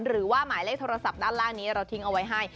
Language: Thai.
หมายเลขโทรศัพท์ด้านล่างนี้เราทิ้งเอาไว้ให้